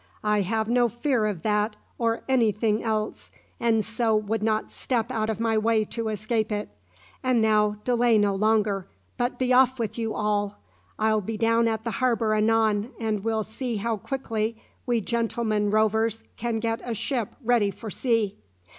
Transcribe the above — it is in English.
I have no fear of that or any thing else, and so would not step out of my way to escape it. And now delay no longer, but be off with you all. I'll be down at the harbour anon, and we'll see how quickly we gentlemen rovers can get a ship ready for sea."